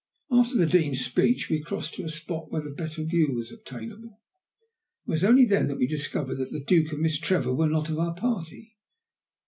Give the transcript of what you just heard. After the Dean's speech we crossed to a spot where a better view was obtainable. It was only then that we discovered that the Duke and Miss Trevor were not of our party.